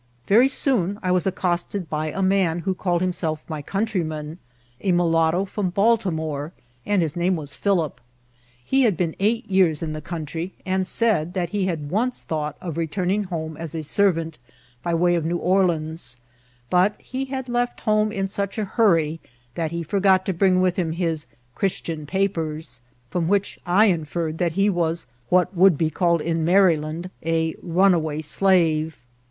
Very soon I was accosted by a man who called himself my countryman, a mulatto from Baltimore, and his name was Philip. He had been eight years in the country, and said that he had once thought of returning home as a servant by way of New Orleans, but he had left home in such a 4 88 INCIDENTS OF TRAVEL. hurry that he forgot to bring with him his " Christian papers ;'* from which I inferred that he was what wonld . be called in Maryland a runaway slave.